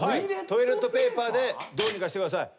トイレットペーパーでどうにかしてください。